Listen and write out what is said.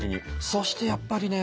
そしてやっぱりね。